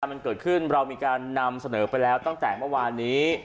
มันเกิดขึ้นเรามีการนำเสนอไปแล้วตั้งแต่เมื่อวานนี้